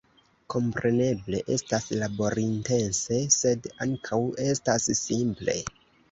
Kompreneble estas laborintense, sed ankaŭ estas simple.